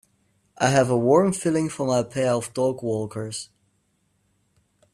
I have a warm feeling for my pair of dogwalkers.